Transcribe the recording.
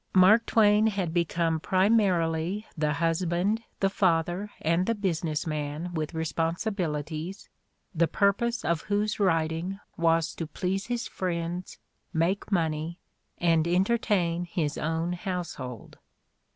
Mark Twain had become primarily the husband, the father, and the business man with responsibilities, the purpose of whose writing was to please his friends, make money, and entertain his own household.